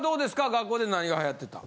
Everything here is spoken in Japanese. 学校で何が流行ってたん。